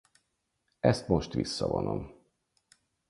Ezt most visszavonom.